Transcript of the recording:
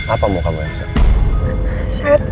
apa mau kamu lihat seth